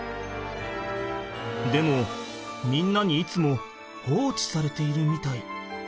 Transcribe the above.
でもみんなにいつも放置されているみたい。